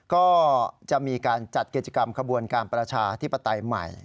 ก็จะมีการจัดกิจกรรมขบวนการประชาธิปไตยใหม่